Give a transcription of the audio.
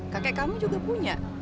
kakek kamu juga punya